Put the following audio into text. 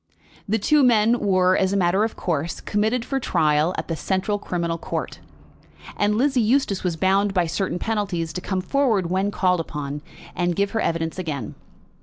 The two men were, as a matter of course, committed for trial at the Central Criminal Court, and Lizzie Eustace was bound by certain penalties to come forward when called upon, and give her evidence again.